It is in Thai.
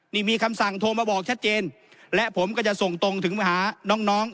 นี่มีคำสั่งโทรมาบอกชัดเจนและผมก็จะส่งตรงถึงไปหาน้องน้อง